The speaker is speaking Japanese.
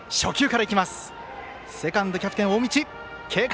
セカンド、キャプテンの大道、軽快。